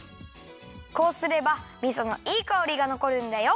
こうすればみそのいいかおりがのこるんだよ。